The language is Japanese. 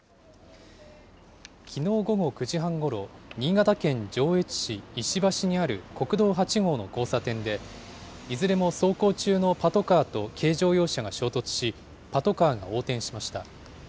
きのう午後９時半ごろ、新潟県上越市石橋にある国道８号の交差点で、いずれも走行中のパトカーと軽乗用車が衝突し、パトカーが横転しました。